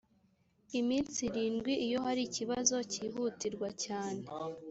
iminsi irindwi iyo hari ikibazo cyihutirwa cyane.